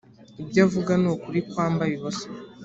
ibyo avuga ni ukuri kwambaye ubusa